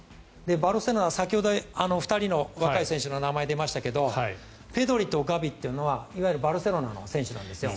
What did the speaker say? バルセロナは先ほど２人の若い選手の名前が出ましたがペドリとガビというのはいわゆるバルセロナの選手なんです。